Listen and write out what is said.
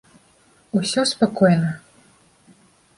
Усё спакойна…